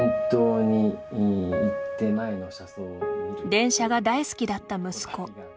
電車が大好きだった息子。